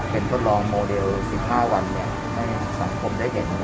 เป็นทดลองโมเดลสิบห้าอันเนี่ยให้สังคมได้เห็น